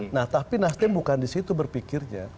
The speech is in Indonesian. nah tapi nasdem bukan disitu berpikirnya